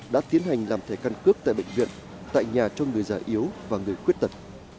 đã tiến hành làm thẻ căn cước tại bệnh viện tại nhà cho người già yếu và người khuyết tật